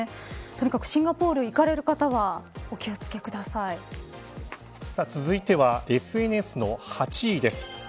とにかく、シンガポールに行かれる方は続いてはＳＮＳの８位です。